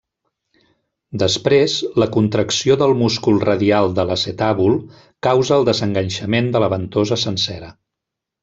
Després, la contracció del múscul radial de l'acetàbul causa el desenganxament de la ventosa sencera.